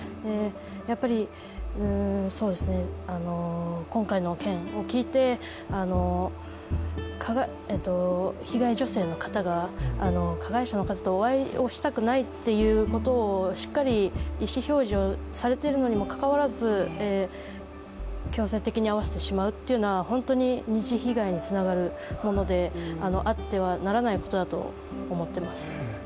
やっぱり今回の件を聞いて被害女性の方が加害者の方とお会いをしたくないっていうことをしっかり意思表示をされているのにもかかわらず強制的に会わせてしまうというのは本当に二次被害につながるものであってはならないことだと思っています。